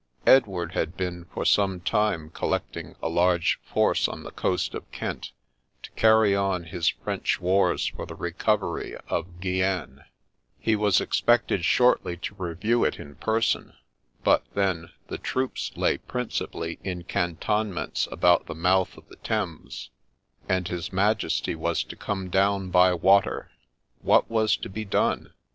Edward had been for some time collecting a large force on the coast of Kent, to carry on his French wars for the recovery of Guienne ; he was expected shortly to review it in person ; but, then, the troops lay prin cipally in cantonments about the mouth of the Thames, and his Majesty was to come down by water. What was to be done